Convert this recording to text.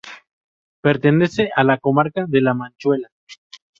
Pertenece a la comarca de La Manchuela.